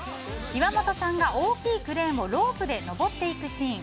岩本さんが大きいクレーンをロープで登っていくシーン。